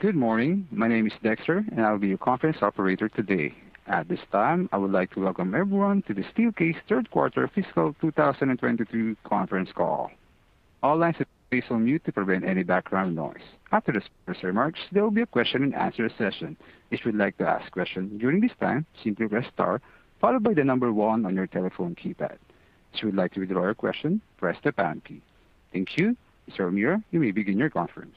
Good morning. My name is Dexter, and I'll be your conference operator today. At this time, I would like to welcome everyone to the Steelcase Third Quarter Fiscal 2022 Conference Call. All lines are placed on mute to prevent any background noise. After the remarks, there will be a question-and-answer session. If you'd like to ask questions during this time, simply press star followed by the number one on your telephone keypad. If you would like to withdraw your question, press the pound key. Thank you. Mr. O'Meara, you may begin your conference.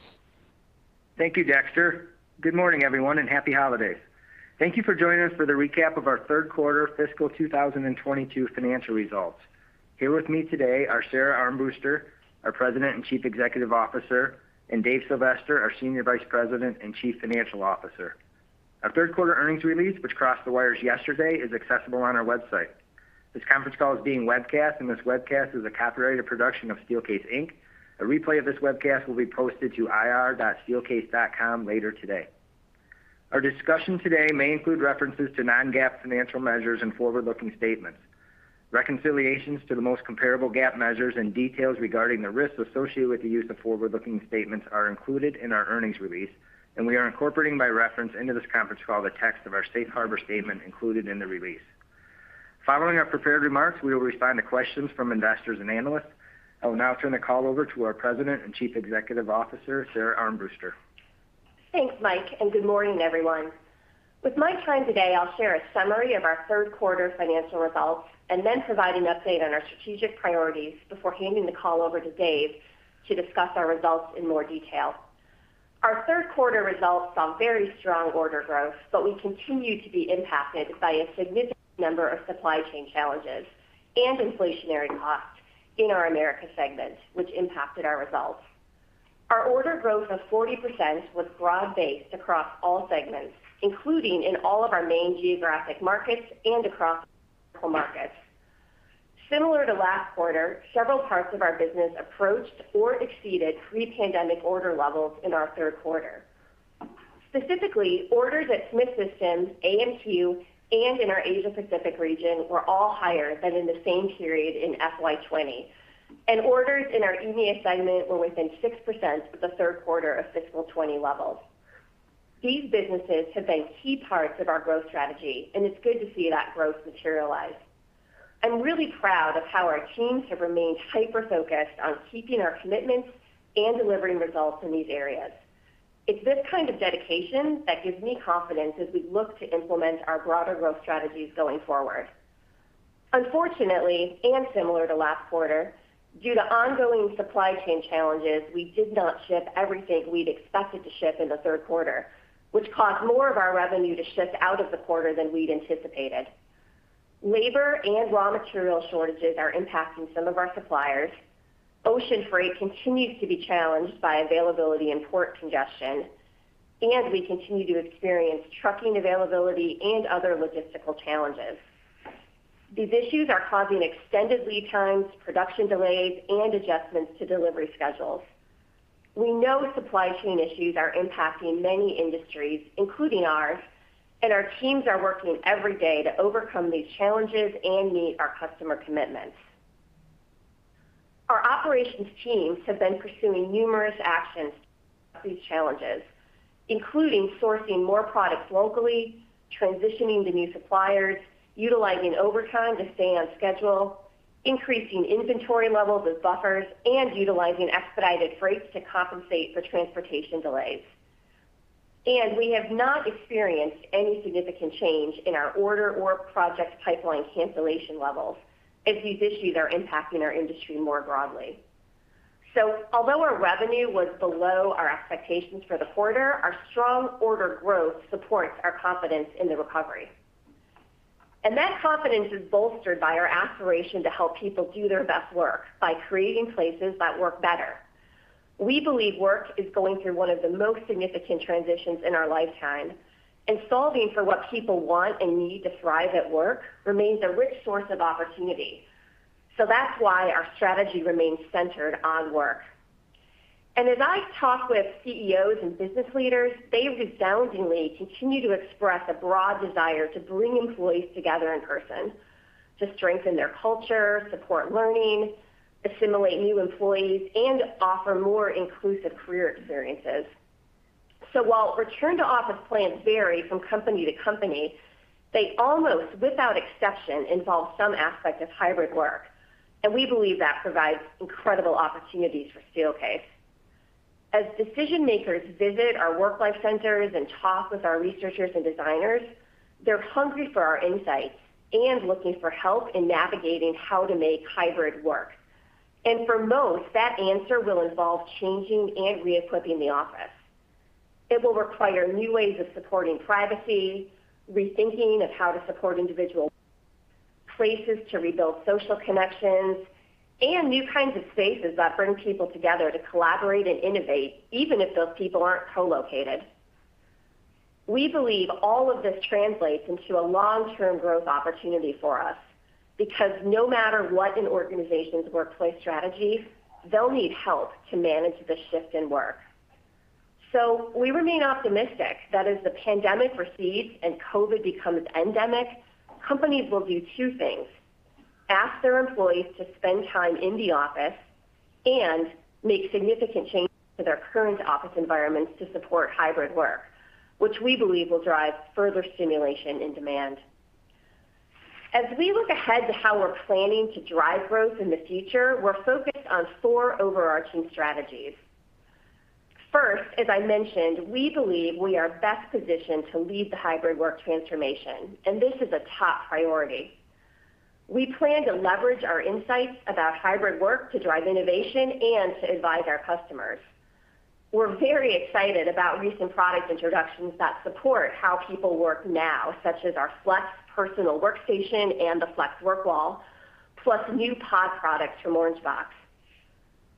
Thank you, Dexter. Good morning, everyone, and happy holidays. Thank you for joining us for the recap of our Third Quarter Fiscal 2022 financial results. Here with me today are Sara Armbruster, our President and Chief Executive Officer, and Dave Sylvester, our Senior Vice President and Chief Financial Officer. Our third quarter earnings release, which crossed the wires yesterday, is accessible on our website. This conference call is being webcast, and this webcast is a copyrighted production of Steelcase Inc. A replay of this webcast will be posted to ir.steelcase.com later today. Our discussion today may include references to non-GAAP financial measures and forward-looking statements. Reconciliations to the most comparable GAAP measures and details regarding the risks associated with the use of forward-looking statements are included in our earnings release, and we are incorporating by reference into this conference call the text of our Safe Harbor Statement included in the release. Following our prepared remarks, we will respond to questions from investors and analysts. I will now turn the call over to our President and Chief Executive Officer, Sara Armbruster. Thanks, Mike, and good morning, everyone. With my time today, I'll share a summary of our third quarter financial results and then provide an update on our strategic priorities before handing the call over to Dave to discuss our results in more detail. Our third quarter results saw very strong order growth, but we continued to be impacted by a significant number of supply chain challenges and inflationary costs in our Americas segment, which impacted our results. Our order growth of 40% was broad-based across all segments, including in all of our main geographic markets and across multiple markets. Similar to last quarter, several parts of our business approached or exceeded pre-pandemic order levels in our third quarter. Specifically, orders at Smith System, AMQ, and in our Asia-Pacific region were all higher than in the same period in FY 2020. Orders in our EMEA segment were within 6% of the third quarter of fiscal 2020 levels. These businesses have been key parts of our growth strategy, and it's good to see that growth materialize. I'm really proud of how our teams have remained hyper-focused on keeping our commitments and delivering results in these areas. It's this kind of dedication that gives me confidence as we look to implement our broader growth strategies going forward. Unfortunately, and similar to last quarter, due to ongoing supply chain challenges, we did not ship everything we'd expected to ship in the third quarter, which caused more of our revenue to shift out of the quarter than we'd anticipated. Labor and raw material shortages are impacting some of our suppliers. Ocean freight continues to be challenged by availability and port congestion, and we continue to experience trucking availability and other logistical challenges. These issues are causing extended lead times, production delays, and adjustments to delivery schedules. We know supply chain issues are impacting many industries, including ours, and our teams are working every day to overcome these challenges and meet our customer commitments. Our operations teams have been pursuing numerous actions to these challenges, including sourcing more products locally, transitioning to new suppliers, utilizing overtime to stay on schedule, increasing inventory levels as buffers, and utilizing expedited freights to compensate for transportation delays. We have not experienced any significant change in our order or project pipeline cancellation levels as these issues are impacting our industry more broadly. Although our revenue was below our expectations for the quarter, our strong order growth supports our confidence in the recovery. That confidence is bolstered by our aspiration to help people do their best work by creating places that work better. We believe work is going through one of the most significant transitions in our lifetime, and solving for what people want and need to thrive at work remains a rich source of opportunity. That's why our strategy remains centered on work. As I talk with CEOs and business leaders, they resoundingly continue to express a broad desire to bring employees together in person to strengthen their culture, support learning, assimilate new employees, and offer more inclusive career experiences. While return to office plans vary from company to company, they almost without exception involve some aspect of hybrid work, and we believe that provides incredible opportunities for Steelcase. As decision-makers visit our WorkLife Centers and talk with our researchers and designers, they're hungry for our insights and looking for help in navigating how to make hybrid work. For most, that answer will involve changing and re-equipping the office. It will require new ways of supporting privacy, rethinking of how to support individual places to rebuild social connections, and new kinds of spaces that bring people together to collaborate and innovate, even if those people aren't co-located. We believe all of this translates into a long-term growth opportunity for us because no matter what an organization's workplace strategy, they'll need help to manage the shift in work. We remain optimistic that as the pandemic recedes and COVID becomes endemic, companies will do two things, ask their employees to spend time in the office and make significant changes to their current office environments to support hybrid work, which we believe will drive further stimulation and demand. As we look ahead to how we're planning to drive growth in the future, we're focused on four overarching strategies. First, as I mentioned, we believe we are best positioned to lead the hybrid work transformation, and this is a top priority. We plan to leverage our insights about hybrid work to drive innovation and to advise our customers. We're very excited about recent product introductions that support how people work now, such as our Flex Personal Spaces and the Flex Work Wall, plus new pod products from Orangebox.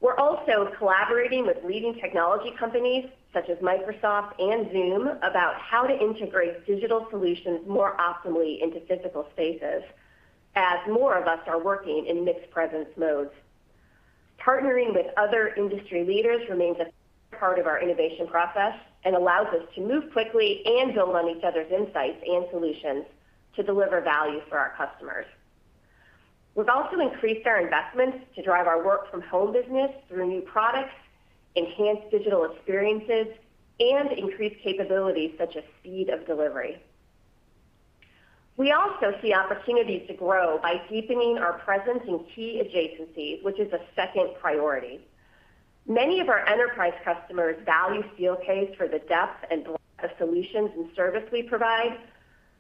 We're also collaborating with leading technology companies such as Microsoft and Zoom about how to integrate digital solutions more optimally into physical spaces as more of us are working in mixed presence modes. Partnering with other industry leaders remains a key part of our innovation process and allows us to move quickly and build on each other's insights and solutions to deliver value for our customers. We've also increased our investments to drive our work from home business through new products, enhanced digital experiences, and increased capabilities such as speed of delivery. We also see opportunities to grow by deepening our presence in key adjacencies, which is a second priority. Many of our enterprise customers value Steelcase for the depth and breadth of solutions and service we provide,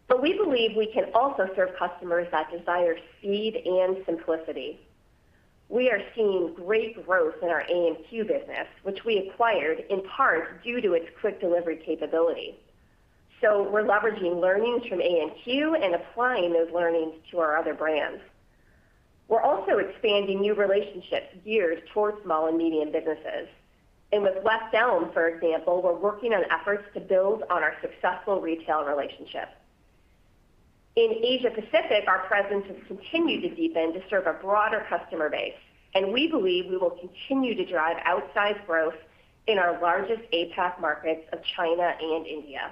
but we believe we can also serve customers that desire speed and simplicity. We are seeing great growth in our AMQ business, which we acquired in part due to its quick delivery capability. So we're leveraging learnings from AMQ and applying those learnings to our other brands. We're also expanding new relationships geared towards small and medium businesses. With West Elm, for example, we're working on efforts to build on our successful retail relationship. In Asia-Pacific, our presence has continued to deepen to serve a broader customer base, and we believe we will continue to drive outsized growth in our largest APAC markets of China and India.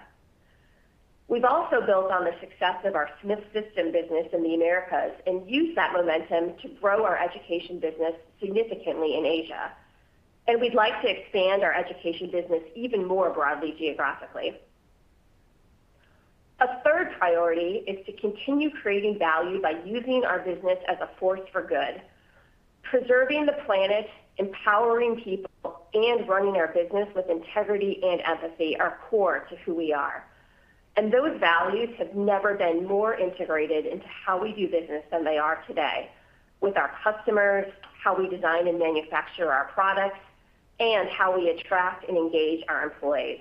We've also built on the success of our Smith System business in the Americas and used that momentum to grow our education business significantly in Asia. We'd like to expand our education business even more broadly geographically. A third priority is to continue creating value by using our business as a force for good. Preserving the planet, empowering people, and running our business with integrity and empathy are core to who we are. Those values have never been more integrated into how we do business than they are today with our customers, how we design and manufacture our products, and how we attract and engage our employees.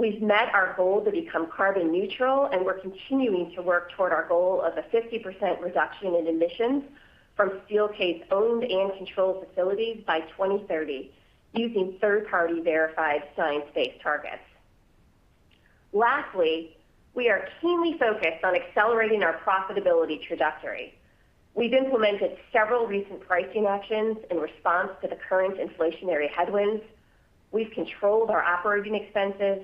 We've met our goal to become carbon neutral, and we're continuing to work toward our goal of a 50% reduction in emissions from Steelcase-owned and controlled facilities by 2030 using third-party verified science-based targets. Lastly, we are keenly focused on accelerating our profitability trajectory. We've implemented several recent pricing actions in response to the current inflationary headwinds. We've controlled our operating expenses,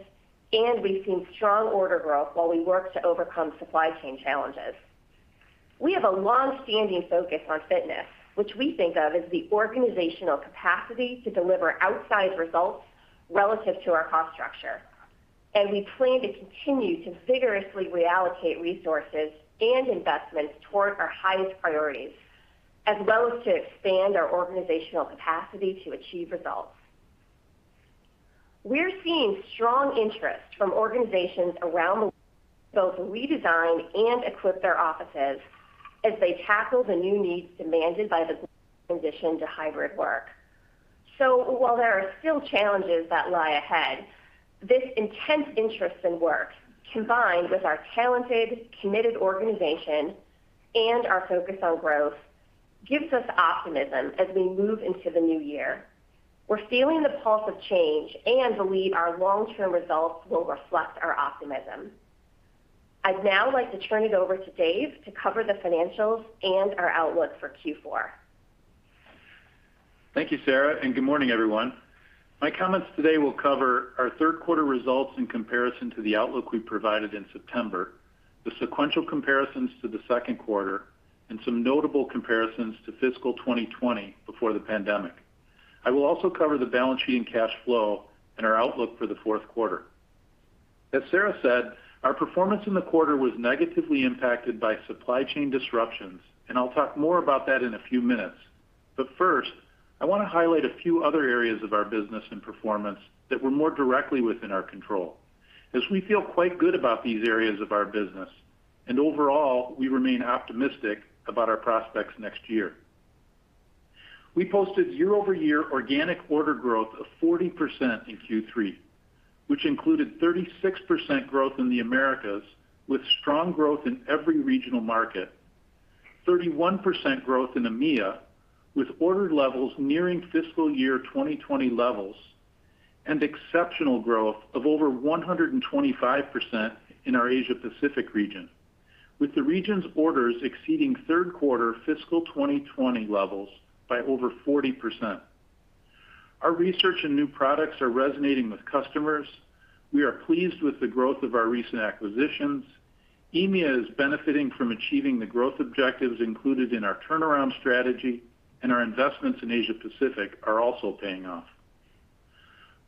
and we've seen strong order growth while we work to overcome supply chain challenges. We have a long-standing focus on fitness, which we think of as the organizational capacity to deliver outsized results relative to our cost structure. We plan to continue to vigorously reallocate resources and investments toward our highest priorities, as well as to expand our organizational capacity to achieve results. We're seeing strong interest from organizations around the world to both redesign and equip their offices as they tackle the new needs demanded by the global transition to hybrid work. While there are still challenges that lie ahead, this intense interest in work, combined with our talented, committed organization and our focus on growth, gives us optimism as we move into the new year. We're feeling the pulse of change and believe our long-term results will reflect our optimism. I'd now like to turn it over to Dave to cover the financials and our outlook for Q4. Thank you, Sara, and good morning, everyone. My comments today will cover our third quarter results in comparison to the outlook we provided in September, the sequential comparisons to the second quarter, and some notable comparisons to fiscal 2020 before the pandemic. I will also cover the balance sheet and cash flow and our outlook for the fourth quarter. As Sara said, our performance in the quarter was negatively impacted by supply chain disruptions, and I'll talk more about that in a few minutes. But first, I want to highlight a few other areas of our business and performance that were more directly within our control as we feel quite good about these areas of our business. Overall, we remain optimistic about our prospects next year. We posted year-over-year organic order growth of 40% in Q3, which included 36% growth in the Americas with strong growth in every regional market. 31% growth in EMEA with order levels nearing fiscal year 2020 levels, and exceptional growth of over 125% in our Asia-Pacific region, with the region's orders exceeding third quarter fiscal 2020 levels by over 40%. Our research and new products are resonating with customers. We are pleased with the growth of our recent acquisitions. EMEA is benefiting from achieving the growth objectives included in our turnaround strategy, and our investments in Asia-Pacific are also paying off.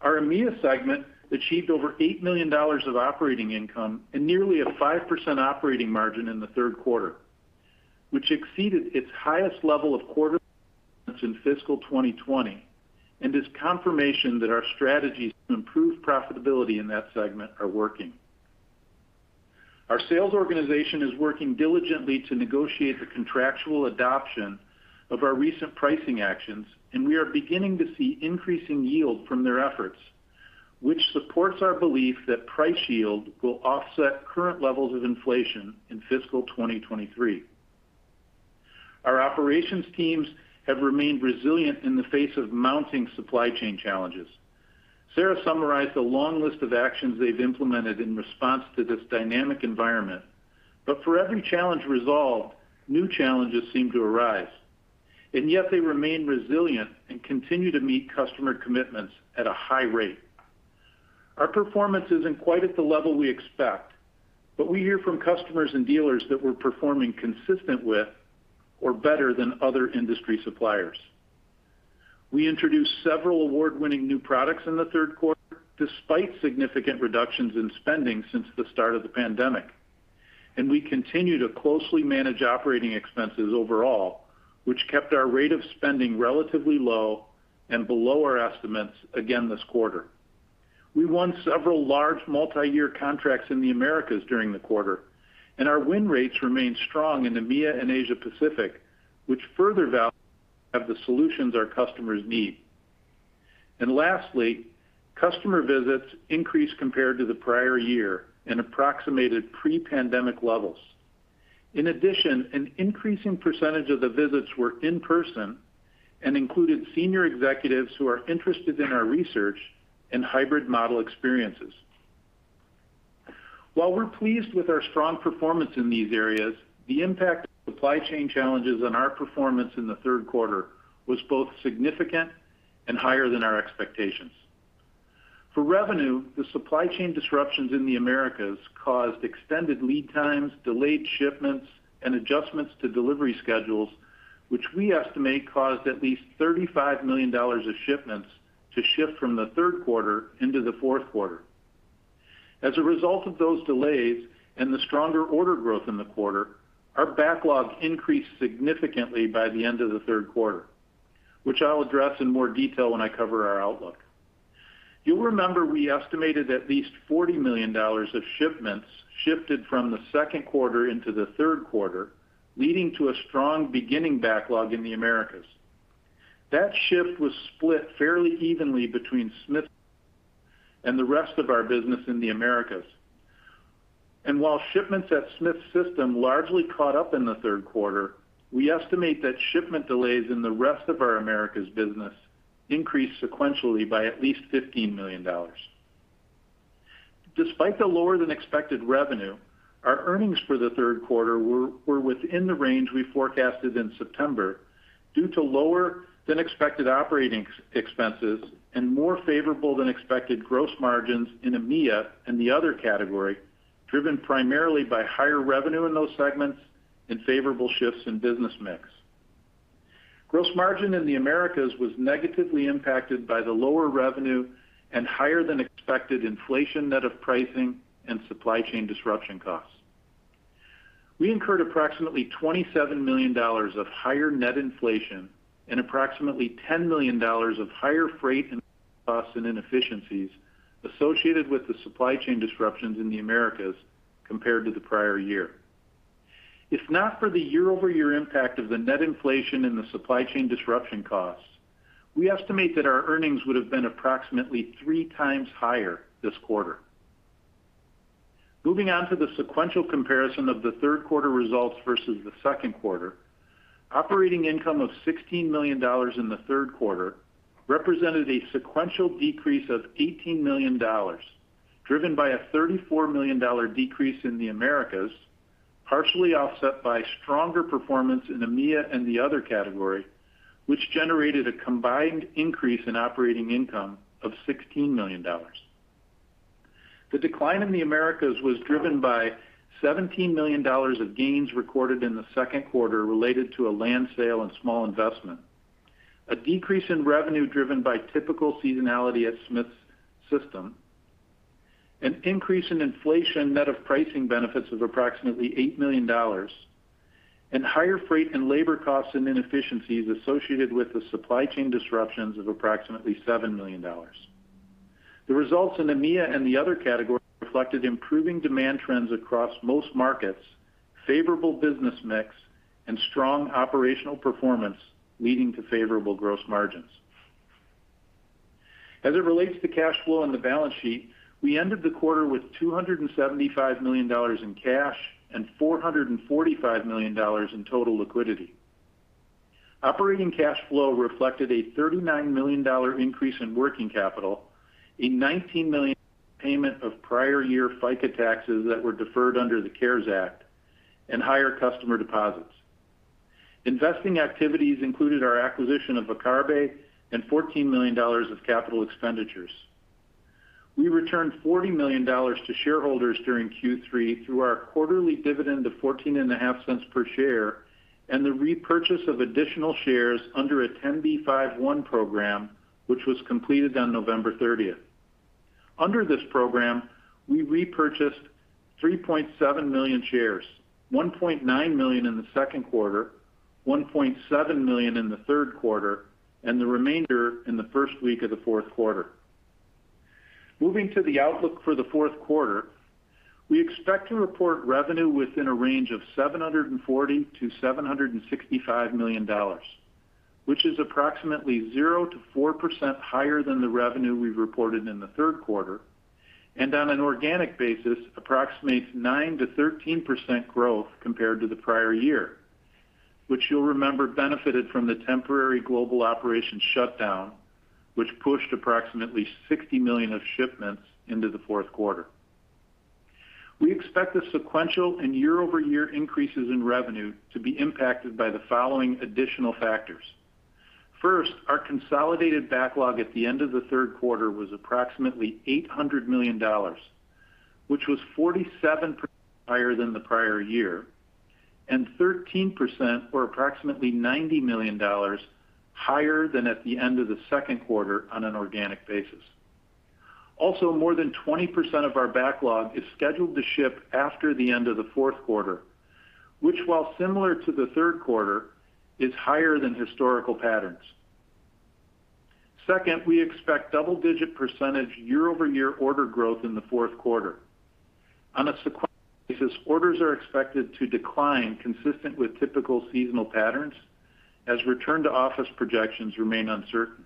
Our EMEA segment achieved over $8 million of operating income and nearly a 5% operating margin in the third quarter, which exceeded its highest level in a quarter in fiscal 2020, and is confirmation that our strategies to improve profitability in that segment are working. Our sales organization is working diligently to negotiate the contractual adoption of our recent pricing actions, and we are beginning to see increasing yield from their efforts, which supports our belief that pricing will offset current levels of inflation in fiscal 2023. Our operations teams have remained resilient in the face of mounting supply chain challenges. Sara summarized the long list of actions they've implemented in response to this dynamic environment. For every challenge resolved, new challenges seem to arise, and yet they remain resilient and continue to meet customer commitments at a high rate. Our performance isn't quite at the level we expect, but we hear from customers and dealers that we're performing consistent with or better than other industry suppliers. We introduced several award-winning new products in the third quarter, despite significant reductions in spending since the start of the pandemic. We continue to closely manage operating expenses overall, which kept our rate of spending relatively low and below our estimates again this quarter. We won several large multi-year contracts in the Americas during the quarter, and our win rates remained strong in EMEA and Asia-Pacific, which further validates the value of the solutions our customers need. Lastly, customer visits increased compared to the prior year and approximated pre-pandemic levels. In addition, an increasing percentage of the visits were in person and included senior executives who are interested in our research and hybrid model experiences. While we're pleased with our strong performance in these areas, the impact of supply chain challenges on our performance in the third quarter was both significant and higher than our expectations. For revenue, the supply chain disruptions in the Americas caused extended lead times, delayed shipments, and adjustments to delivery schedules, which we estimate caused at least $35 million of shipments to shift from the third quarter into the fourth quarter. As a result of those delays and the stronger order growth in the quarter, our backlogs increased significantly by the end of the third quarter, which I'll address in more detail when I cover our outlook. You'll remember we estimated at least $40 million of shipments shifted from the second quarter into the third quarter, leading to a strong beginning backlog in the Americas. That shift was split fairly evenly between Smith System and the rest of our business in the Americas. While shipments at Smith System largely caught up in the third quarter, we estimate that shipment delays in the rest of our Americas business increased sequentially by at least $15 million. Despite the lower than expected revenue, our earnings for the third quarter were within the range we forecasted in September due to lower than expected operating expenses and more favourable than expected gross margins in EMEA and the other category, driven primarily by higher revenue in those segments and favourable shifts in business mix. Gross margin in the Americas was negatively impacted by the lower revenue and higher than expected inflation net of pricing and supply chain disruption costs. We incurred approximately $27 million of higher net inflation and approximately $10 million of higher freight and costs and inefficiencies associated with the supply chain disruptions in the Americas compared to the prior year. If not for the year-over-year impact of the net inflation and the supply chain disruption costs, we estimate that our earnings would have been approximately three times higher this quarter. Moving on to the sequential comparison of the third quarter results versus the second quarter. Operating income of $16 million in the third quarter represented a sequential decrease of $18 million, driven by a $34 million decrease in the Americas, partially offset by stronger performance in EMEA and the other category, which generated a combined increase in operating income of $16 million. The decline in the Americas was driven by $17 million of gains recorded in the second quarter related to a land sale and small investment, a decrease in revenue driven by typical seasonality at Smith System, an increase in inflation net of pricing benefits of approximately $8 million, and higher freight and labor costs and inefficiencies associated with the supply chain disruptions of approximately $7 million. The results in EMEA and the other category reflected improving demand trends across most markets, favourable business mix, and strong operational performance, leading to favourable gross margins. As it relates to cash flow on the balance sheet, we ended the quarter with $275 million in cash and $445 million in total liquidity. Operating cash flow reflected a $39 million increase in working capital, a $19 million payment of prior year FICA taxes that were deferred under the CARES Act, and higher customer deposits. Investing activities included our acquisition of Viccarbe Habitat and $14 million of capital expenditures. We returned $40 million to shareholders during Q3 through our quarterly dividend of 14.5 cents per share and the repurchase of additional shares under a 10b5-1 program, which was completed on November 30. Under this program, we repurchased 3.7 million shares, 1.9 million in the second quarter, 1.7 million in the third quarter, and the remainder in the first week of the fourth quarter. Moving to the outlook for the fourth quarter. We expect to report revenue within a range of $740 million-$765 million, which is approximately 0%-4% higher than the revenue we reported in the third quarter. On an organic basis, approximates 9%-13% growth compared to the prior year, which you'll remember benefited from the temporary global operation shutdown, which pushed approximately $60 million of shipments into the fourth quarter. We expect the sequential and year-over-year increases in revenue to be impacted by the following additional factors. First, our consolidated backlog at the end of the third quarter was approximately $800 million, which was 47% higher than the prior year, and 13% or approximately $90 million higher than at the end of the second quarter on an organic basis. More than 20% of our backlog is scheduled to ship after the end of the fourth quarter, which, while similar to the third quarter, is higher than historical patterns. Second, we expect double-digit percentage year-over-year order growth in the fourth quarter. On a sequential basis, orders are expected to decline consistent with typical seasonal patterns as return-to-office projections remain uncertain.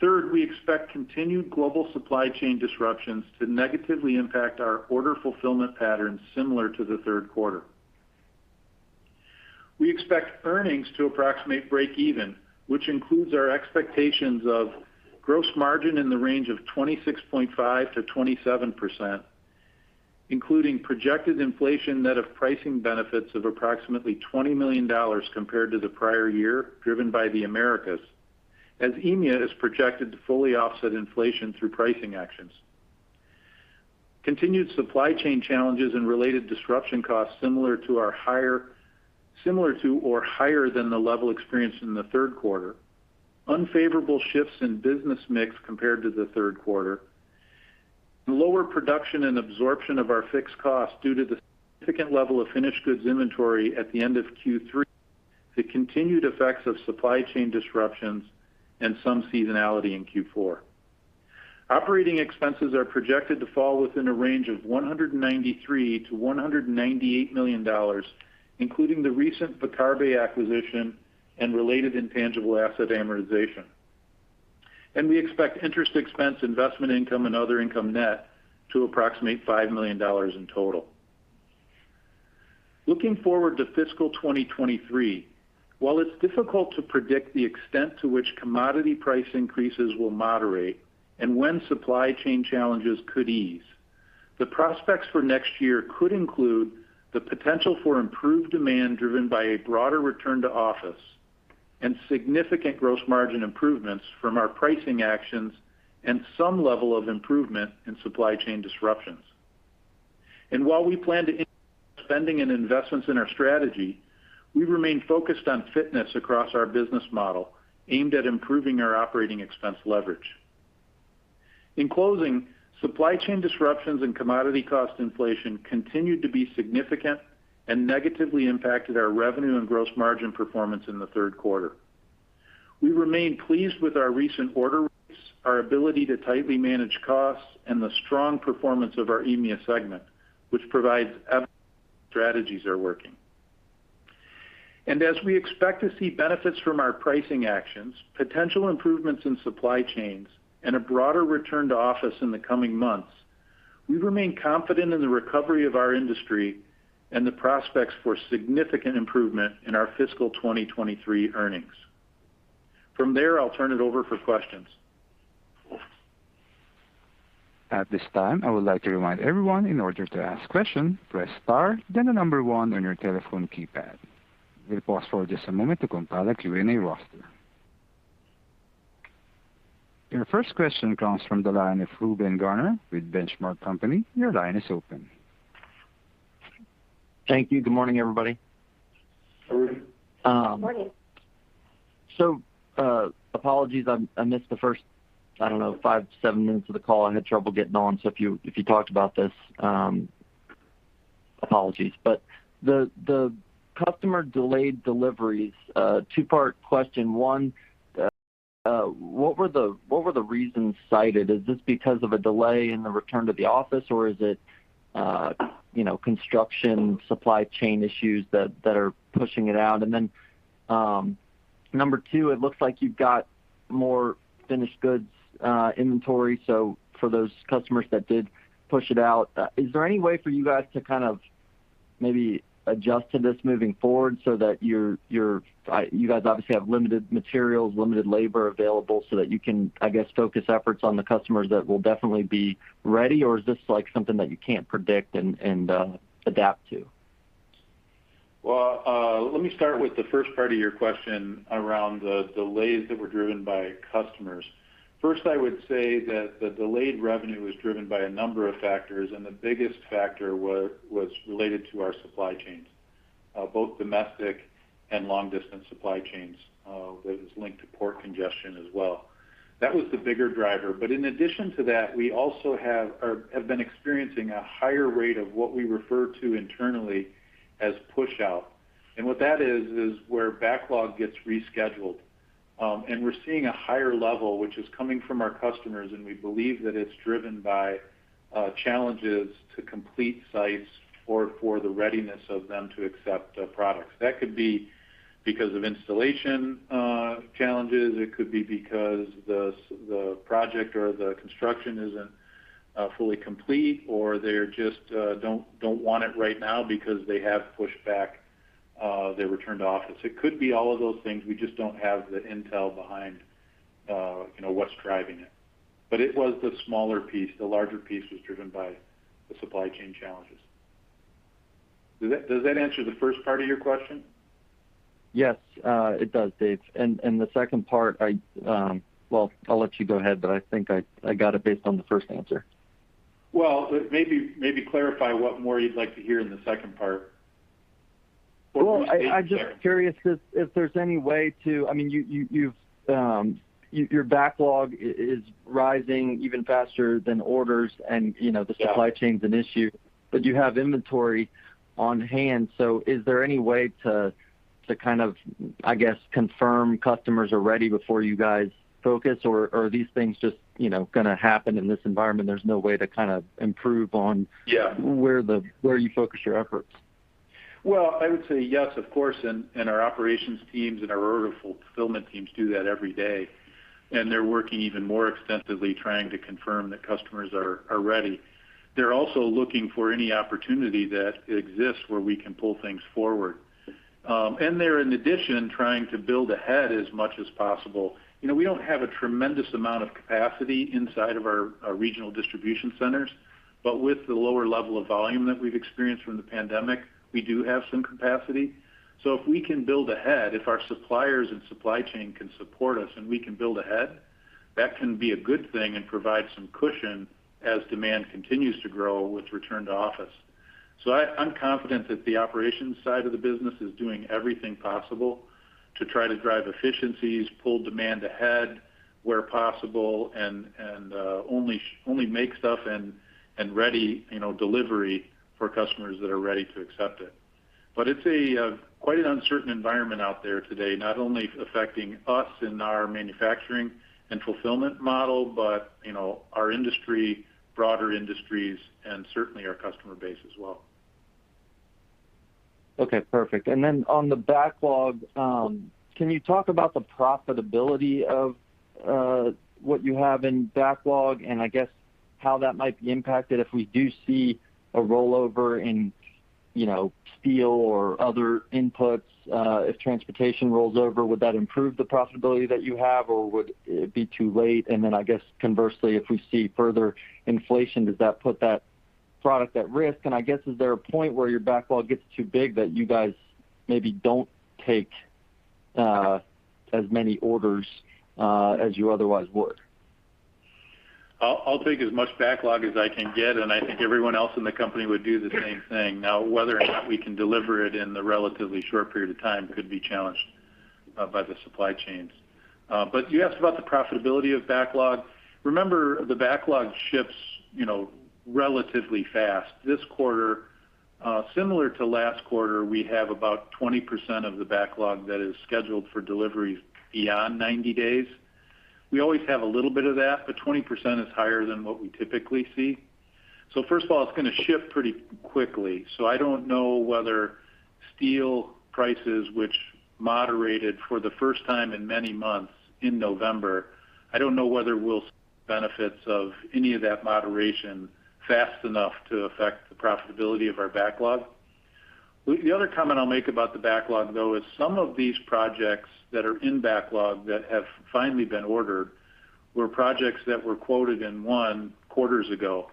Third, we expect continued global supply chain disruptions to negatively impact our order fulfillment patterns similar to the third quarter. We expect earnings to approximate break even, which includes our expectations of gross margin in the range of 26.5%-27%, including projected inflation net of pricing benefits of approximately $20 million compared to the prior year, driven by the Americas, as EMEA is projected to fully offset inflation through pricing actions. Continued supply chain challenges and related disruption costs similar to or higher than the level experienced in the third quarter. Unfavourable shifts in business mix compared to the third quarter. Lower production and absorption of our fixed costs due to the significant level of finished goods inventory at the end of Q3. The continued effects of supply chain disruptions and some seasonality in Q4. Operating expenses are projected to fall within a range of $193 million-$198 million, including the recent Viccarbe Habitat acquisition and related intangible asset amortization. We expect interest expense, investment income, and other income net to approximate $5 million in total. Looking forward to fiscal 2023, while it's difficult to predict the extent to which commodity price increases will moderate and when supply chain challenges could ease, the prospects for next year could include the potential for improved demand driven by a broader return to office and significant gross margin improvements from our pricing actions and some level of improvement in supply chain disruptions. While we plan to increase spending and investments in our strategy, we remain focused on fitness across our business model aimed at improving our operating expense leverage. In closing, supply chain disruptions and commodity cost inflation continued to be significant and negatively impacted our revenue and gross margin performance in the third quarter. We remain pleased with our recent order rates, our ability to tightly manage costs, and the strong performance of our EMEA segment, which provides evidence that our strategies are working. As we expect to see benefits from our pricing actions, potential improvements in supply chains, and a broader return to office in the coming months, we remain confident in the recovery of our industry and the prospects for significant improvement in our fiscal 2023 earnings. From there, I'll turn it over for questions. At this time, I would like to remind everyone in order to ask questions, press star then one on your telephone keypad. We'll pause for just a moment to compile a Q&A roster. Your first question comes from the line of Reuben Garner with The Benchmark Company. Your line is open. Thank you. Good morning, everybody. Good morning. Good morning. Apologies, I missed the first, I don't know, five-seven minutes of the call. I had trouble getting on. If you talked about this, apologies. The customer delayed deliveries, two-part question. One, what were the reasons cited? Is this because of a delay in the return to the office or is it, you know, construction, supply chain issues that are pushing it out? Number two, it looks like you've got more finished goods inventory. For those customers that did push it out, is there any way for you guys to kind of maybe adjust to this moving forward so that you guys obviously have limited materials, limited labor available so that you can, I guess, focus efforts on the customers that will definitely be ready? Or is this like something that you can't predict and adapt to? Well, let me start with the first part of your question around the delays that were driven by customers. First, I would say that the delayed revenue was driven by a number of factors, and the biggest factor was related to our supply chains, both domestic and long-distance supply chains, that is linked to port congestion as well. That was the bigger driver. In addition to that, we also have been experiencing a higher rate of what we refer to internally as pushout. What that is where backlog gets rescheduled. We're seeing a higher level, which is coming from our customers, and we believe that it's driven by challenges to complete sites for the readiness of them to accept the products. That could be because of installation challenges. It could be because the project or the construction isn't fully complete, or they just don't want it right now because they have pushed back their return to office. It could be all of those things. We just don't have the intel behind you know what's driving it. It was the smaller piece. The larger piece was driven by the supply chain challenges. Does that answer the first part of your question? Yes, it does, Dave. The second part, well, I'll let you go ahead, but I think I got it based on the first answer. Well, maybe clarify what more you'd like to hear in the second part. What more- Well, I'm just curious if there's any way to. I mean, your backlog is rising even faster than orders and, you know. Yeah the supply chain is an issue, but you have inventory on hand. Is there any way to kind of, I guess, confirm customers are ready before you guys focus or are these things just, you know, gonna happen in this environment? There's no way to kind of improve on- Yeah where you focus your efforts? Well, I would say yes, of course, and our operations teams and our order fulfillment teams do that every day. They're working even more extensively trying to confirm that customers are ready. They're also looking for any opportunity that exists where we can pull things forward. They're, in addition, trying to build ahead as much as possible. You know, we don't have a tremendous amount of capacity inside of our regional distribution centers, but with the lower level of volume that we've experienced from the pandemic, we do have some capacity. If we can build ahead, if our suppliers and supply chain can support us and we can build ahead, that can be a good thing and provide some cushion as demand continues to grow with return to office. I'm confident that the operations side of the business is doing everything possible to try to drive efficiencies, pull demand ahead where possible, and only make stuff and ready, you know, delivery for customers that are ready to accept it. It's quite an uncertain environment out there today, not only affecting us in our manufacturing and fulfillment model, but our industry, broader industries, and certainly our customer base as well. Okay, perfect. On the backlog, can you talk about the profitability of what you have in backlog and I guess how that might be impacted if we do see a rollover in steel or other inputs, if transportation rolls over, would that improve the profitability that you have, or would it be too late? I guess conversely, if we see further inflation, does that put that product at risk? I guess, is there a point where your backlog gets too big that you guys maybe don't take as many orders as you otherwise would? I'll take as much backlog as I can get, and I think everyone else in the company would do the same thing. Now, whether or not we can deliver it in the relatively short period of time could be challenged by the supply chains. But you asked about the profitability of backlog. Remember, the backlog shifts, you know, relatively fast. This quarter, similar to last quarter, we have about 20% of the backlog that is scheduled for delivery beyond 90 days. We always have a little bit of that, but 20% is higher than what we typically see. First of all, it's gonna shift pretty quickly. I don't know whether steel prices, which moderated for the first time in many months in November, we'll see benefits of any of that moderation fast enough to affect the profitability of our backlog. The other comment I'll make about the backlog, though, is some of these projects that are in backlog that have finally been ordered were projects that were quoted and won quarters ago.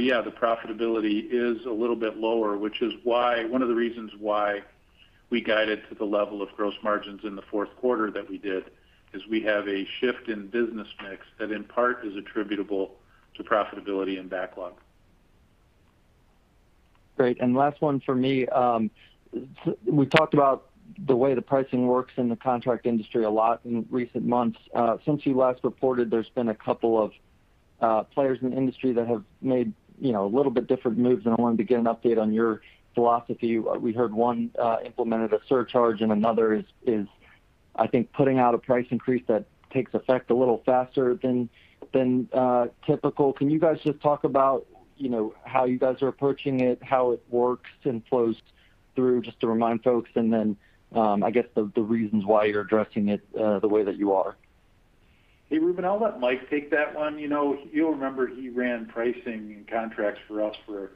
Yeah, the profitability is a little bit lower, which is why one of the reasons why we guided to the level of gross margins in the fourth quarter that we did, is we have a shift in business mix that in part is attributable to profitability and backlog. Great. Last one for me. We talked about the way the pricing works in the contract industry a lot in recent months. Since you last reported, there's been a couple of players in the industry that have made, you know, a little bit different moves, and I wanted to get an update on your philosophy. We heard one implemented a surcharge and another is, I think, putting out a price increase that takes effect a little faster than typical. Can you guys just talk about, you know, how you guys are approaching it, how it works and flows through, just to remind folks, and then I guess the reasons why you're addressing it the way that you are? Hey, Reuben, I'll let Mike take that one. You know, you'll remember he ran pricing and contracts for us for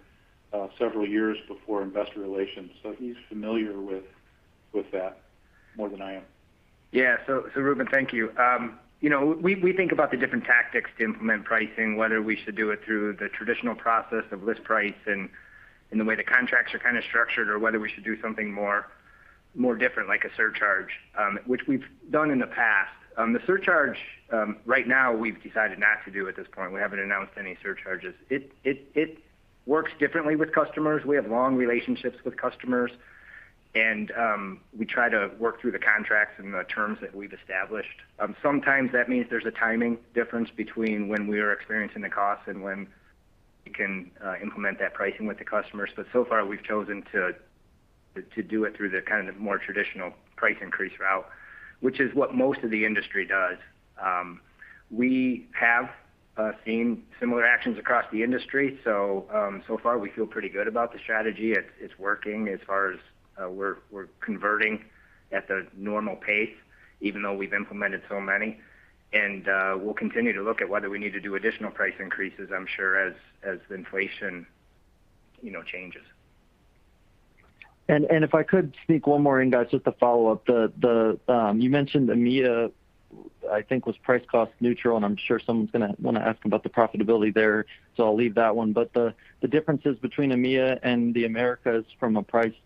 several years before investor relations, so he's familiar with that more than I am. Reuben, thank you. We think about the different tactics to implement pricing, whether we should do it through the traditional process of list price and the way the contracts are kinda structured, or whether we should do something more different, like a surcharge, which we've done in the past. The surcharge right now we've decided not to do at this point. We haven't announced any surcharges. It works differently with customers. We have long relationships with customers, and we try to work through the contracts and the terms that we've established. Sometimes that means there's a timing difference between when we are experiencing the costs and when we can implement that pricing with the customers. So far, we've chosen to do it through the kind of more traditional price increase route, which is what most of the industry does. We have seen similar actions across the industry, so far we feel pretty good about the strategy. It's working as far as we're converting at the normal pace even though we've implemented so many. We'll continue to look at whether we need to do additional price increases, I'm sure, as the inflation, you know, changes. If I could sneak one more in, guys, just to follow up. You mentioned EMEA, I think, was price cost neutral, and I'm sure someone's gonna wanna ask about the profitability there, so I'll leave that one. The differences between EMEA and the Americas from a price cost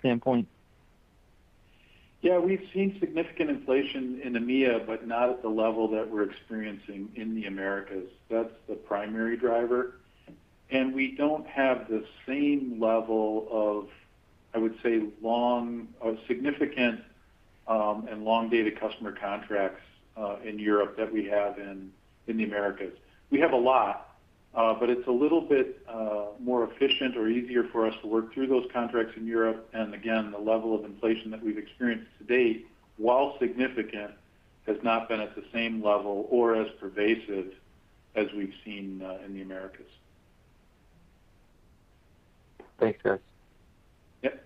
standpoint. Yeah. We've seen significant inflation in EMEA, but not at the level that we're experiencing in the Americas. That's the primary driver. We don't have the same level of, I would say, significant and long-dated customer contracts in Europe that we have in the Americas. We have a lot, but it's a little bit more efficient or easier for us to work through those contracts in Europe. Again, the level of inflation that we've experienced to date, while significant, has not been at the same level or as pervasive as we've seen in the Americas. Thanks, guys. Yep.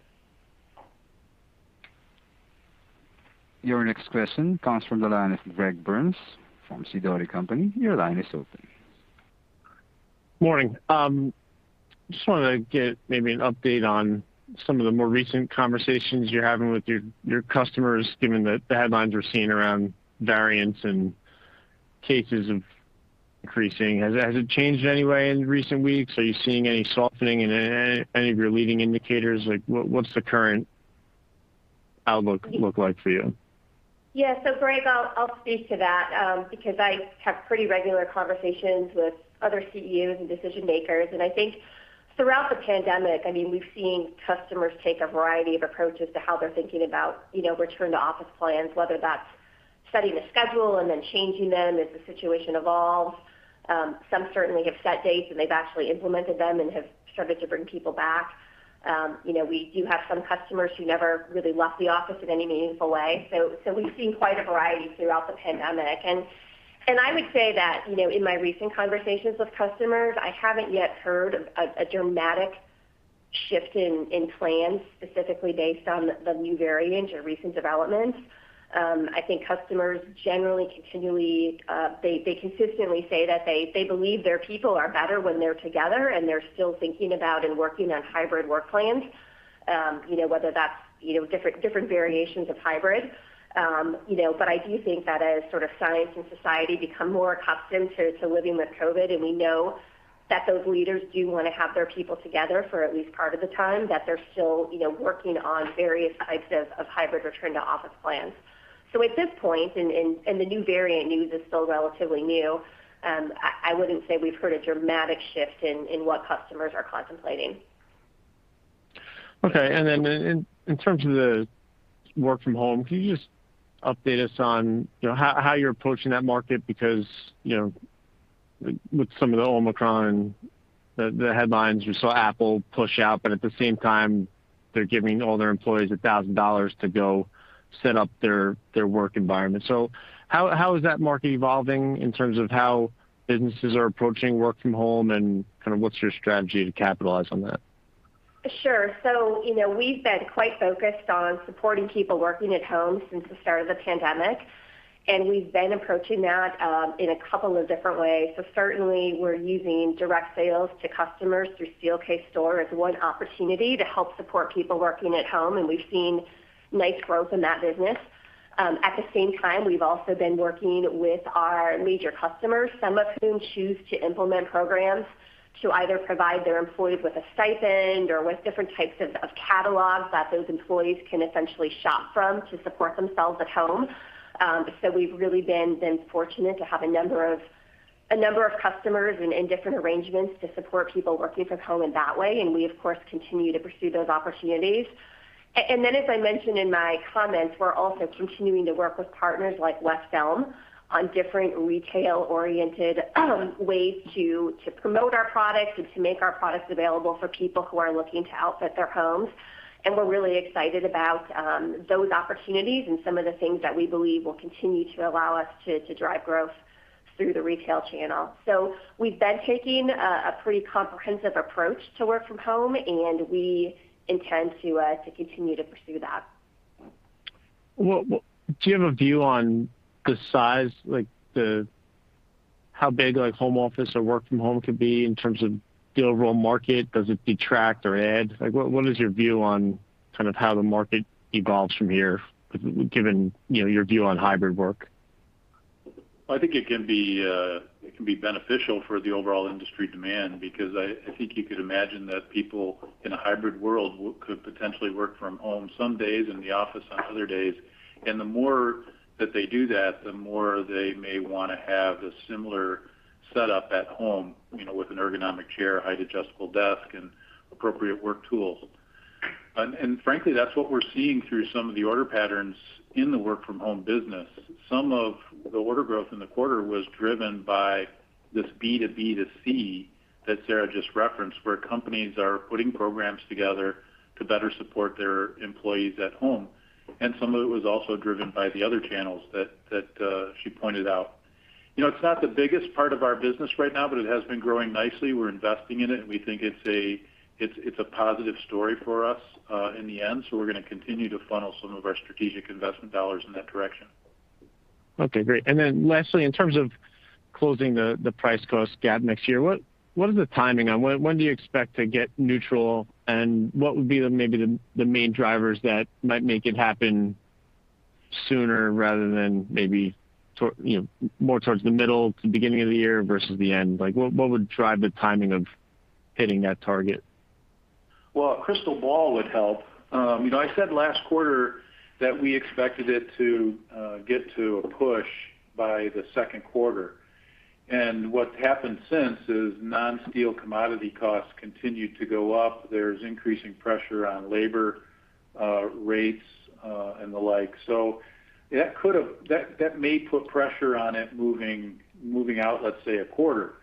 Your next question comes from the line of Gregory Burns from Sidoti & Company. Your line is open. Morning. Just wanted to get maybe an update on some of the more recent conversations you're having with your customers, given the headlines we're seeing around variants and increasing cases. Has it changed in any way in recent weeks? Are you seeing any softening in any of your leading indicators? Like, what's the current outlook look like for you? Yeah. Greg, I'll speak to that, because I have pretty regular conversations with other CEOs and decision makers. I think throughout the pandemic, I mean, we've seen customers take a variety of approaches to how they're thinking about, you know, return to office plans, whether that's setting the schedule and then changing them as the situation evolves. Some certainly have set dates, and they've actually implemented them and have started to bring people back. You know, we do have some customers who never really left the office in any meaningful way. We've seen quite a variety throughout the pandemic. I would say that, you know, in my recent conversations with customers, I haven't yet heard a dramatic shift in plans specifically based on the new variants or recent developments. I think customers generally consistently say that they believe their people are better when they're together, and they're still thinking about and working on hybrid work plans, you know, whether that's, you know, different variations of hybrid. But I do think that as sort of science and society become more accustomed to living with COVID, and we know that those leaders do wanna have their people together for at least part of the time, that they're still, you know, working on various types of hybrid return to office plans. At this point, and the new variant news is still relatively new, I wouldn't say we've heard a dramatic shift in what customers are contemplating. Okay. Then in terms of the work from home, can you just update us on, you know, how you're approaching that market? Because, you know, with some of the Omicron headlines, we saw Apple push out, but at the same time, they're giving all their employees $1,000 to go set up their work environment. How is that market evolving in terms of how businesses are approaching work from home, and kind of what's your strategy to capitalize on that? Sure. You know, we've been quite focused on supporting people working at home since the start of the pandemic, and we've been approaching that in a couple of different ways. Certainly we're using direct sales to customers through Steelcase Store as one opportunity to help support people working at home, and we've seen nice growth in that business. At the same time, we've also been working with our major customers, some of whom choose to implement programs to either provide their employees with a stipend or with different types of catalogs that those employees can essentially shop from to support themselves at home. We've really been then fortunate to have a number of customers and in different arrangements to support people working from home in that way, and we of course continue to pursue those opportunities. Then as I mentioned in my comments, we're also continuing to work with partners like West Elm on different retail-oriented ways to promote our products and to make our products available for people who are looking to outfit their homes. We're really excited about those opportunities and some of the things that we believe will continue to allow us to drive growth through the retail channel. We've been taking a pretty comprehensive approach to work from home, and we intend to continue to pursue that. Well, do you have a view on the size, like the how big like home office or work from home could be in terms of the overall market? Does it detract or add? Like what is your view on kind of how the market evolves from here given, you know, your view on hybrid work? I think it can be beneficial for the overall industry demand because I think you could imagine that people in a hybrid world could potentially work from home some days, in the office on other days. The more that they do that, the more they may wanna have a similar setup at home, you know, with an ergonomic chair, height adjustable desk, and appropriate work tools. Frankly, that's what we're seeing through some of the order patterns in the work from home business. Some of the order growth in the quarter was driven by this B2B2C that Sara just referenced, where companies are putting programs together to better support their employees at home. Some of it was also driven by the other channels that she pointed out. You know, it's not the biggest part of our business right now, but it has been growing nicely. We're investing in it, and we think it's a positive story for us in the end, so we're gonna continue to funnel some of our strategic investment dollars in that direction. Okay, great. Then lastly, in terms of closing the price cost gap next year, what is the timing on, when do you expect to get neutral, and what would be maybe the main drivers that might make it happen sooner rather than maybe, you know, more towards the middle to beginning of the year versus the end? Like, what would drive the timing of hitting that target? Well, a crystal ball would help. You know, I said last quarter that we expected it to get to a push by the second quarter. What's happened since is non-steel commodity costs continued to go up. There's increasing pressure on labor rates and the like. That could have that may put pressure on it moving out, let's say, a quarter.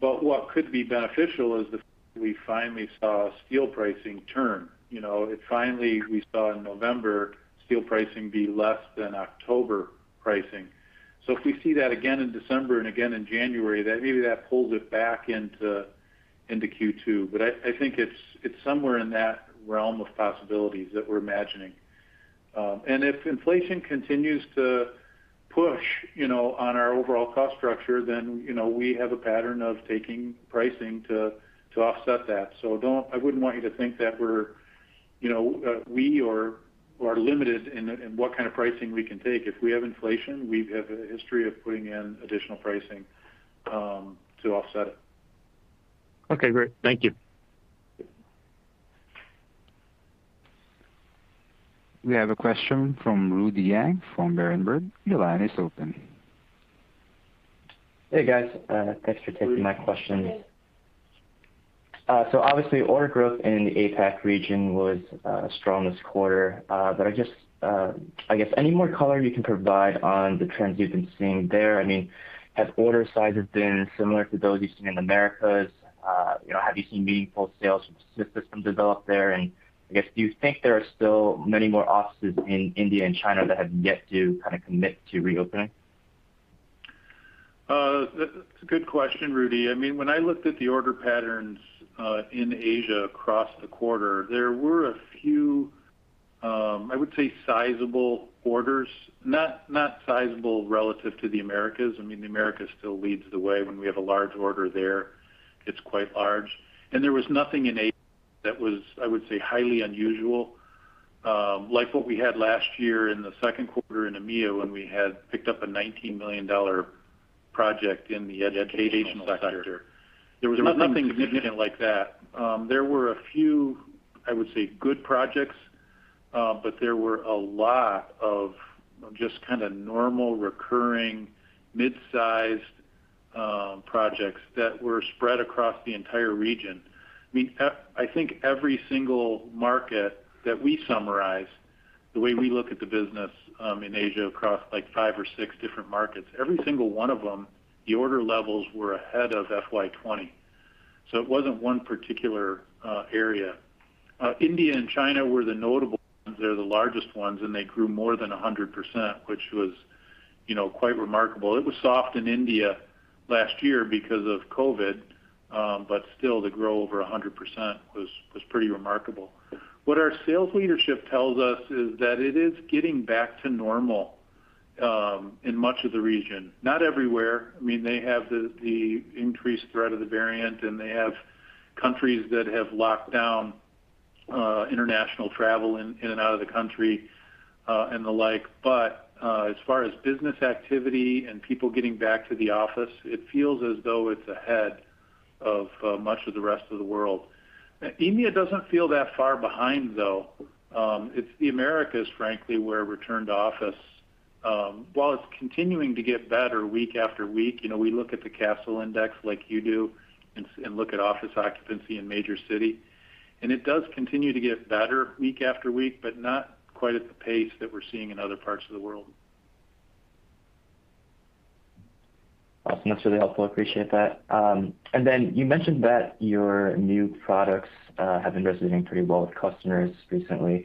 What could be beneficial is if we finally saw steel pricing turn. You know, finally we saw in November steel pricing be less than October pricing. If we see that again in December and again in January, that maybe pulls it back into Q2. I think it's somewhere in that realm of possibilities that we're imagining. If inflation continues to push, you know, on our overall cost structure, then, you know, we have a pattern of taking pricing to offset that. Don't, i wouldn't want you to think that we're, you know, we are limited in what kind of pricing we can take. If we have inflation, we have a history of putting in additional pricing to offset it. Okay, great. Thank you. We have a question from Rudy Yang from Berenberg. Your line is open. Hey, guys. Thanks for taking my question. So obviously order growth in the APAC region was strong this quarter. I just I guess any more color you can provide on the trends you've been seeing there. I mean, have order sizes been similar to those you've seen in Americas? You know, have you seen meaningful sales from systems dealers there? I guess, do you think there are still many more offices in India and China that have yet to kind of commit to reopening? That's a good question, Rudy. I mean, when I looked at the order patterns in Asia across the quarter, there were a few. I would say sizable orders. Not sizable relative to the Americas. I mean, the Americas still leads the way. When we have a large order there, it's quite large. There was nothing in Asia that was, I would say, highly unusual, like what we had last year in the second quarter in EMEA when we had picked up a $19 million project in the educational sector. There was nothing significant like that. There were a few. I would say good projects, but there were a lot of just kinda normal recurring mid-sized projects that were spread across the entire region. I mean, I think every single market that we summarize, the way we look at the business, in Asia across like five or six different markets, every single one of them, the order levels were ahead of FY 2020. It wasn't one particular area. India and China were the notable ones. They're the largest ones, and they grew more than 100%, which was, you know, quite remarkable. It was soft in India last year because of COVID, but still to grow over 100% was pretty remarkable. What our sales leadership tells us is that it is getting back to normal in much of the region. Not everywhere. I mean, they have the increased threat of the variant, and they have countries that have locked down international travel in and out of the country, and the like. As far as business activity and people getting back to the office, it feels as though it's ahead of much of the rest of the world. EMEA doesn't feel that far behind, though. It's the Americas, frankly, where return to office while it's continuing to get better week after week. You know, we look at the Kastle Index like you do and look at office occupancy in major cities. It does continue to get better week after week, but not quite at the pace that we're seeing in other parts of the world. Awesome. That's really helpful. Appreciate that. You mentioned that your new products have been resonating pretty well with customers recently.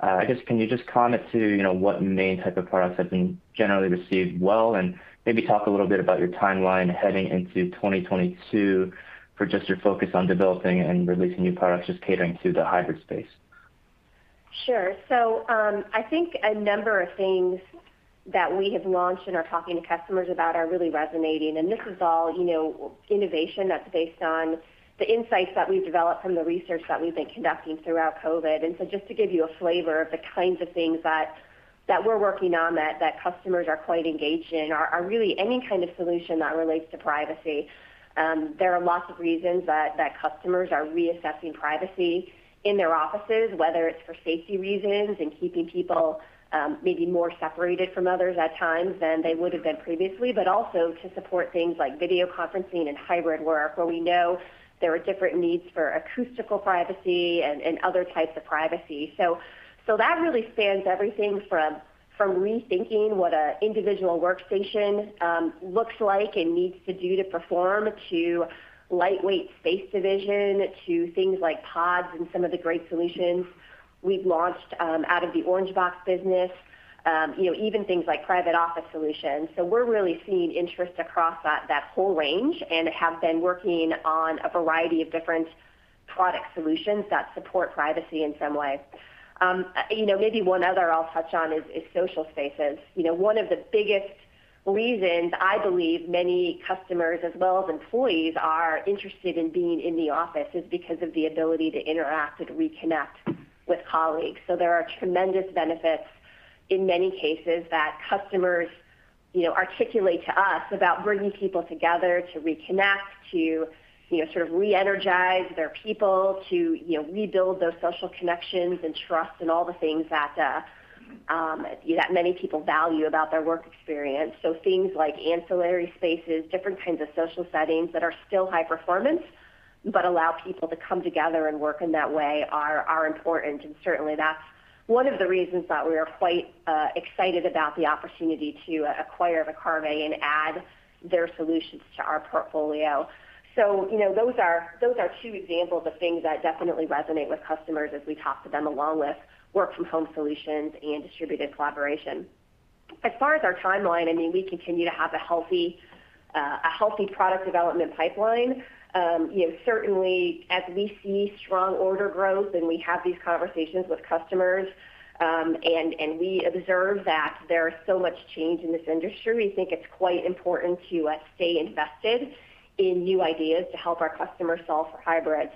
I guess, can you just comment on, you know, what main type of products have been generally received well? Maybe talk a little bit about your timeline heading into 2022 for just your focus on developing and releasing new products just catering to the hybrid space. Sure. I think a number of things that we have launched and are talking to customers about are really resonating. This is all, you know, innovation that's based on the insights that we've developed from the research that we've been conducting throughout COVID. Just to give you a flavor of the kinds of things that we're working on that customers are quite engaged in are really any kind of solution that relates to privacy. There are lots of reasons that customers are reassessing privacy in their offices, whether it's for safety reasons and keeping people maybe more separated from others at times than they would have been previously, but also to support things like video conferencing and hybrid work, where we know there are different needs for acoustical privacy and other types of privacy. That really spans everything from rethinking what a individual workstation looks like and needs to do to perform, to lightweight space division, to things like pods and some of the great solutions we've launched out of the Orangebox business, you know, even things like private office solutions. We're really seeing interest across that whole range and have been working on a variety of different product solutions that support privacy in some way. You know, maybe one other I'll touch on is social spaces. You know, one of the biggest reasons I believe many customers as well as employees are interested in being in the office is because of the ability to interact and reconnect with colleagues. There are tremendous benefits in many cases that customers, you know, articulate to us about bringing people together to reconnect, to, you know, sort of re-energize their people, to, you know, rebuild those social connections and trust and all the things that that many people value about their work experience. Things like ancillary spaces, different kinds of social settings that are still high-performance, but allow people to come together and work in that way are important. Certainly that's one of the reasons that we are quite excited about the opportunity to acquire Viccarbe Habitat and add their solutions to our portfolio. You know, those are two examples of things that definitely resonate with customers as we talk to them, along with work-from-home solutions and distributed collaboration. As far as our timeline, I mean, we continue to have a healthy product development pipeline. You know, certainly as we see strong order growth and we have these conversations with customers, and we observe that there is so much change in this industry, we think it's quite important to stay invested in new ideas to help our customers solve for hybrid.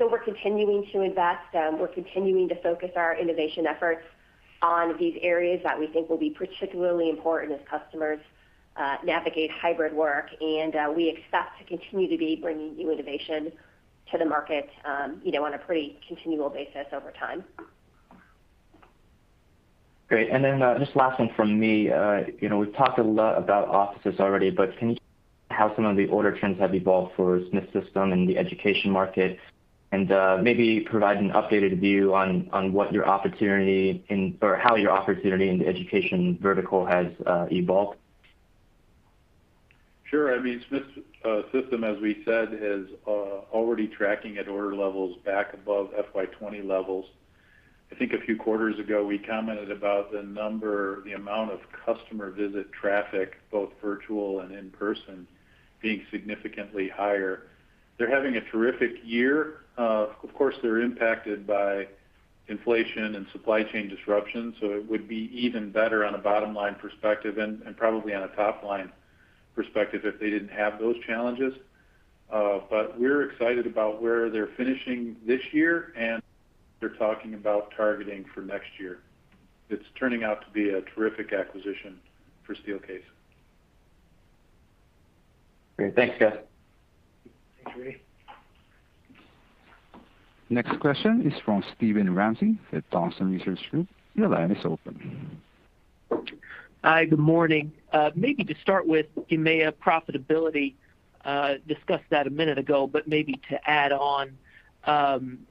We're continuing to invest. We're continuing to focus our innovation efforts on these areas that we think will be particularly important as customers navigate hybrid work. We expect to continue to be bringing new innovation to the market, you know, on a pretty continual basis over time. Great. Just last one from me. You know, we've talked a lot about offices already, but can you share how some of the order trends have evolved for Smith System in the education market? Maybe provide an updated view on what your opportunity or how your opportunity in the education vertical has evolved. Sure. I mean, Smith System, as we said, is already tracking at order levels back above FY 2020 levels. I think a few quarters ago, we commented about the amount of customer visit traffic, both virtual and in-person, being significantly higher. They're having a terrific year. Of course, they're impacted by inflation and supply chain disruption, so it would be even better on a bottom-line perspective and probably on a top-line perspective if they didn't have those challenges. We're excited about where they're finishing this year, and they're talking about targeting for next year. It's turning out to be a terrific acquisition for Steelcase. Great. Thanks, guys. Thanks, Rudy. Next question is from Steven Ramsey at Thompson Research Group. Your line is open. Hi, good morning. Maybe to start with EMEA profitability, discussed that a minute ago, but maybe to add on, do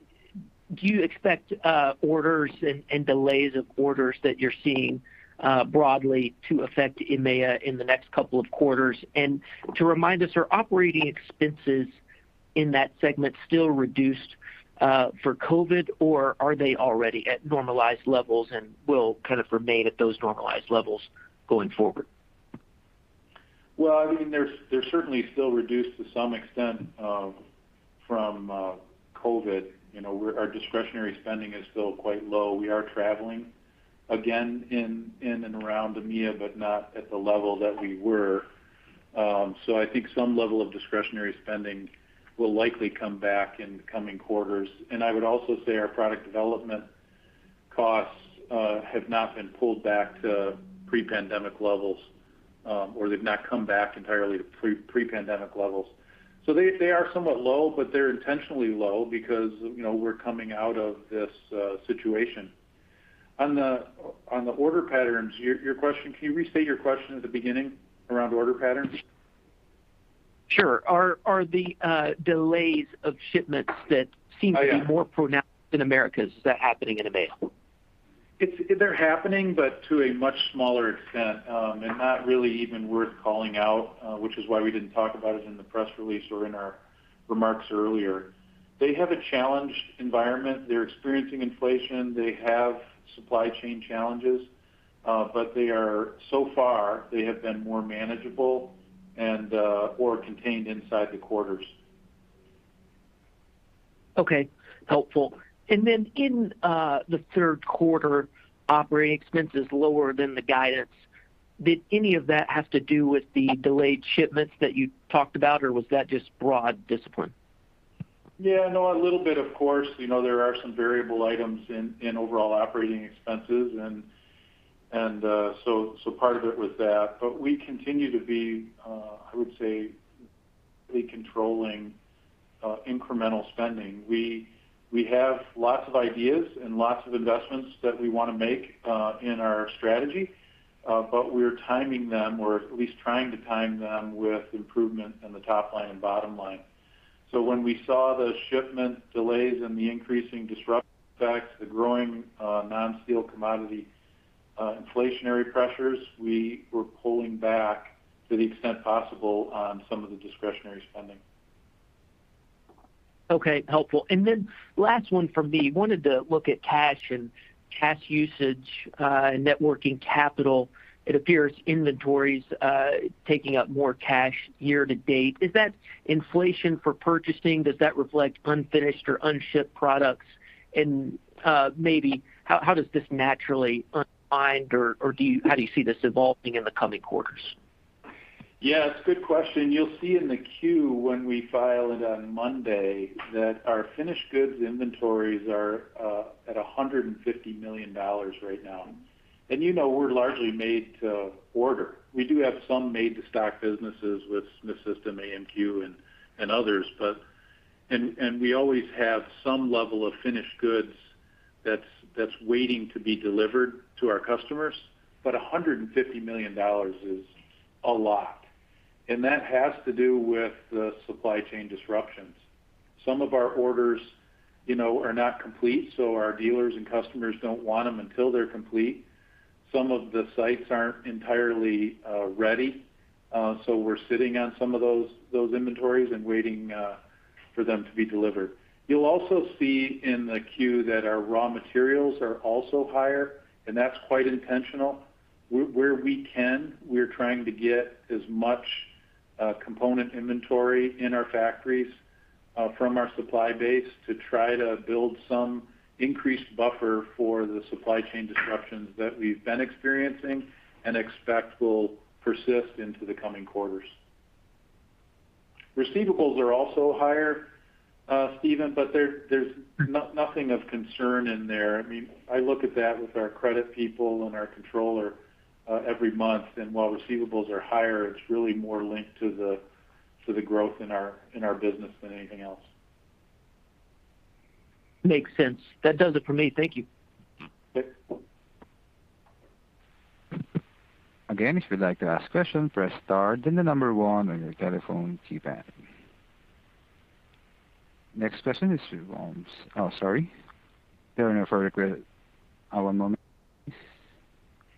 you expect orders and delays of orders that you're seeing broadly to affect EMEA in the next couple of quarters? To remind us, are operating expenses in that segment still reduced for COVID, or are they already at normalized levels and will kind of remain at those normalized levels going forward? Well, I mean, they're certainly still reduced to some extent from COVID. You know, our discretionary spending is still quite low. We are traveling again in and around EMEA, but not at the level that we were. I think some level of discretionary spending will likely come back in the coming quarters. I would also say our product development costs have not been pulled back to pre-pandemic levels, or they've not come back entirely to pre-pandemic levels. They are somewhat low, but they're intentionally low because, you know, we're coming out of this situation. On the order patterns, your question, can you restate your question at the beginning around order patterns? Sure. Are the delays of shipments that seem- Oh, yeah. to be more pronounced in Americas, is that happening in EMEA? They're happening, but to a much smaller extent, and not really even worth calling out, which is why we didn't talk about it in the press release or in our remarks earlier. They have a challenged environment. They're experiencing inflation. They have supply chain challenges, but so far they have been more manageable and or contained inside the quarters. Okay. Helpful. In the third quarter, operating expenses lower than the guidance, did any of that have to do with the delayed shipments that you talked about, or was that just broad discipline? Yeah, no, a little bit of course. You know there are some variable items in overall operating expenses and so part of it was that. We continue to be, I would say, really controlling incremental spending. We have lots of ideas and lots of investments that we wanna make in our strategy, but we're timing them, or at least trying to time them with improvement in the top line and bottom line. When we saw the shipment delays and the increasing disruption effects, the growing non-steel commodity inflationary pressures, we were pulling back to the extent possible on some of the discretionary spending. Okay. Helpful. Then last one from me. Wanted to look at cash and cash usage, and net working capital. It appears inventories taking up more cash year to date. Is that inflation for purchasing? Does that reflect unfinished or unshipped products? Maybe how does this naturally unwind or how do you see this evolving in the coming quarters? Yeah, it's a good question. You'll see in the Form 10-Q when we file it on Monday that our finished goods inventories are at $150 million right now. You know we're largely made to order. We do have some made to stock businesses with Smith System, AMQ and others. We always have some level of finished goods that's waiting to be delivered to our customers. $150 million is a lot, and that has to do with the supply chain disruptions. Some of our orders, you know, are not complete, so our dealers and customers don't want them until they're complete. Some of the sites aren't entirely ready, so we're sitting on some of those inventories and waiting for them to be delivered. You'll also see in the queue that our raw materials are also higher, and that's quite intentional. Where we can, we're trying to get as much component inventory in our factories from our supply base to try to build some increased buffer for the supply chain disruptions that we've been experiencing and expect will persist into the coming quarters. Receivables are also higher, Steven, but there's nothing of concern in there. I mean, I look at that with our credit people and our controller every month. While receivables are higher, it's really more linked to the growth in our business than anything else. Makes sense. That does it for me. Thank you. Yep. Again, if you'd like to ask question, press star then the number one on your telephone keypad.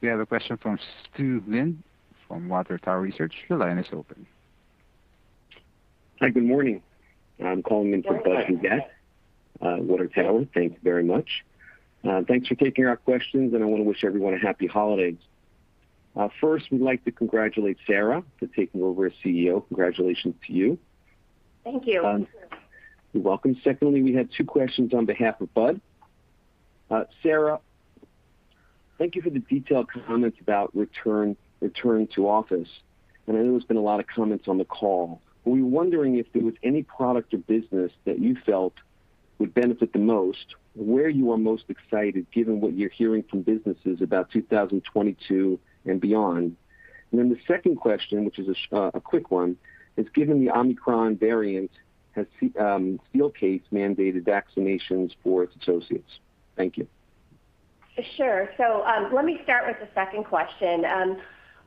We have a question from Stuart Linde from Water Tower Research. Your line is open. Hi, good morning. I'm calling in for Budd Bugatch, Water Tower. Thank you very much. Thanks for taking our questions, and I want to wish everyone a happy holidays. First we'd like to congratulate Sara for taking over as CEO. Congratulations to you. Thank you. You're welcome. Secondly, we had two questions on behalf of Budd. Sara, thank you for the detailed comments about return to office, and I know there's been a lot of comments on the call. We were wondering if there was any product or business that you felt would benefit the most, where you are most excited given what you're hearing from businesses about 2022 and beyond. The second question, which is a quick one, is given the Omicron variant, has Steelcase mandated vaccinations for its associates? Thank you. Sure. Let me start with the second question.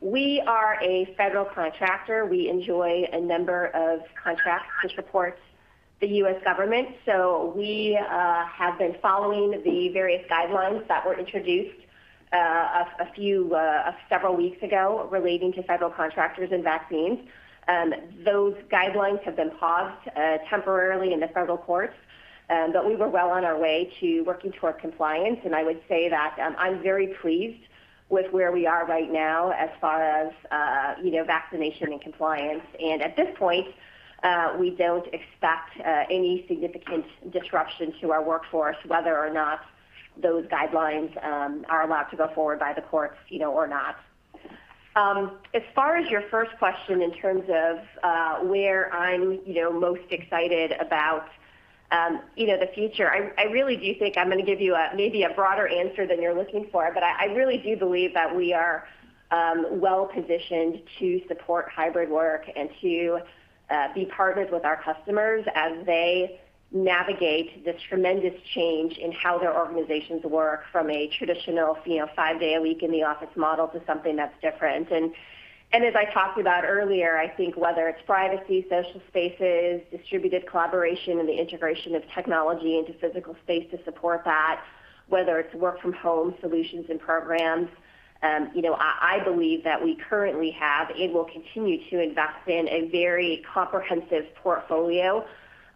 We are a federal contractor. We enjoy a number of contracts which supports the U.S. government. We have been following the various guidelines that were introduced several weeks ago relating to federal contractors and vaccines. Those guidelines have been paused temporarily in the federal courts, but we were well on our way to working toward compliance. I would say that I'm very pleased with where we are right now as far as you know, vaccination and compliance. At this point, we don't expect any significant disruption to our workforce, whether or not those guidelines are allowed to go forward by the courts, you know, or not. As far as your first question in terms of where I'm, you know, most excited about, you know, the future, I really do think I'm gonna give you a maybe broader answer than you're looking for. I really do believe that we are well positioned to support hybrid work and to be partners with our customers as they navigate the tremendous change in how their organizations work from a traditional, you know, five day a week in the office model to something that's different. As I talked about earlier, I think whether it's privacy, social spaces, distributed collaboration, and the integration of technology into physical space to support that, whether it's work from home solutions and programs, you know, I believe that we currently have and will continue to invest in a very comprehensive portfolio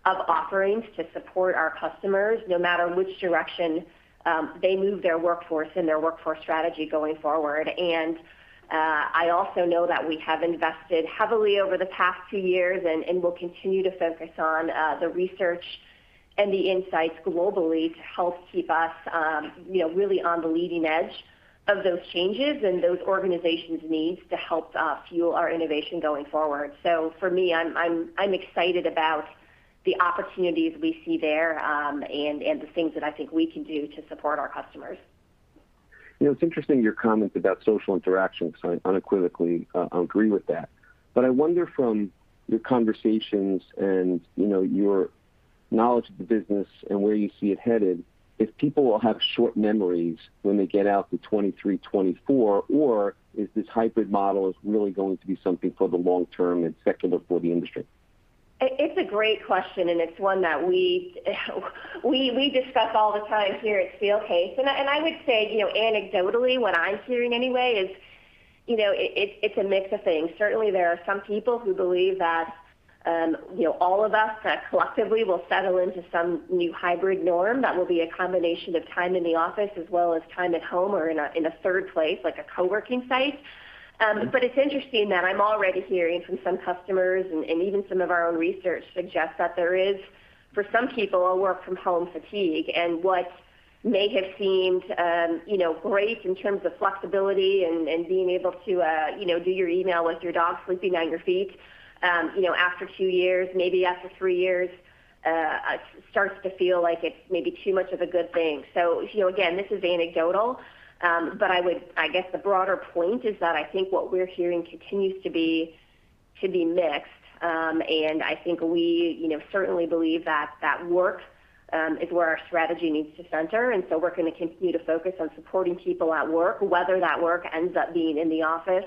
of offerings to support our customers no matter which direction they move their workforce and their workforce strategy going forward. I also know that we have invested heavily over the past two years and will continue to focus on the research and the insights globally to help keep us, you know, really on the leading edge of those changes and those organizations' needs to help fuel our innovation going forward. For me, I'm excited about the opportunities we see there, and the things that I think we can do to support our customers. You know, it's interesting your comment about social interaction, 'cause I unequivocally agree with that. I wonder from your conversations and, you know, your knowledge of the business and where you see it headed, if people will have short memories when they get out to 2023, 2024, or is this hybrid model is really going to be something for the long term and secular for the industry? It's a great question, and it's one that we discuss all the time here at Steelcase. I would say, you know, anecdotally, what I'm hearing anyway is, you know, it's a mix of things. Certainly there are some people who believe that, you know, all of us collectively will settle into some new hybrid norm that will be a combination of time in the office as well as time at home or in a third place, like a co-working site. It's interesting that I'm already hearing from some customers and even some of our own research suggests that there is, for some people, a work from home fatigue and what may have seemed, you know, great in terms of flexibility and being able to, you know, do your email with your dog sleeping at your feet, you know, after two years, maybe after three years, starts to feel like it's maybe too much of a good thing. You know, again, this is anecdotal. I guess the broader point is that I think what we're hearing continues to be mixed. I think we, you know, certainly believe that work is where our strategy needs to center. We're gonna continue to focus on supporting people at work, whether that work ends up being in the office,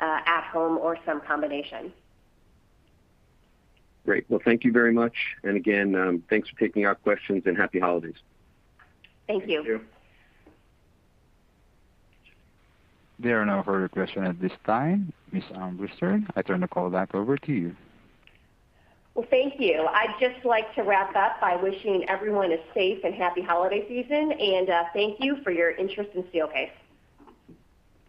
at home or some combination. Great. Well, thank you very much. Again, thanks for taking our questions and happy holidays. Thank you. Thank you. There are no further questions at this time. Ms. Sara Armbruster, I turn the call back over to you. Well, thank you. I'd just like to wrap up by wishing everyone a safe and happy holiday season, and thank you for your interest in Steelcase.